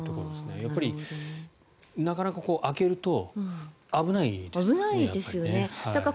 やっぱりなかなか、開けると危ないですからね。